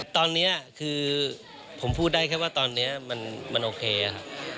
ตอนนี้คือผมพูดได้แค่ว่าตอนนี้มันโอเคครับ